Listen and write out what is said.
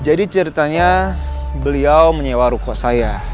jadi ceritanya beliau menyewa ruko saya